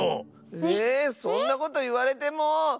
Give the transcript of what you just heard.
えそんなこといわれても！